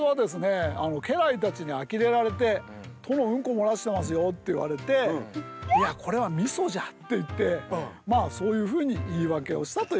家来たちにあきれられて「殿うんこ漏らしてますよ」って言われて「いやこれはみそじゃ」って言ってそういうふうに言い訳をしたというふうにいわれてます。